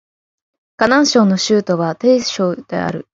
河南省の省都は鄭州である